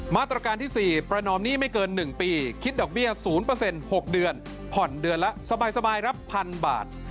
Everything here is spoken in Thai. มาตรการที่๔ประนอมหนี้ไม่เกิน๑ปีคิดดอกเบี้ย๐๖เดือนผ่อนเดือนละสบายรับ๑๐๐บาท